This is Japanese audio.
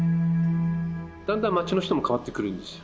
だんだんまちの人も変わってくるんですよ。